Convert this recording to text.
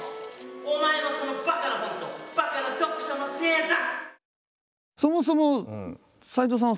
お前のそのばかな本とばかな読書のせいだ！